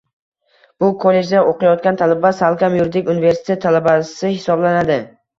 Bu kollejda oʻqiyotgan talaba salkam yuridik universitet talabasi hisoblanadi!